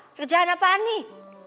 kerjaan apaan nih